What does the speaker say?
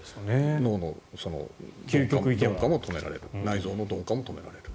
脳の鈍化も止められる内臓の鈍化も止められる。